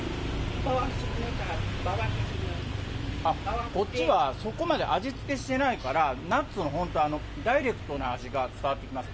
あっ、こっちはそこまで味付けしてないから、ナッツの本当、ダイレクトな味が伝わってきます。